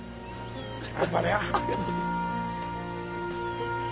頑張れよ。